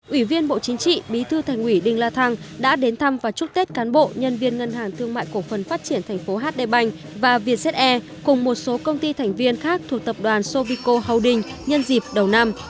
ủy viên bộ chính trị bí thư thành ủy đinh la thăng đã đến thăm và chúc tết cán bộ nhân viên ngân hàng thương mại cổ phần phát triển tp hđb và việt ze cùng một số công ty thành viên khác thuộc tập đoàn sovico holding nhân dịp đầu năm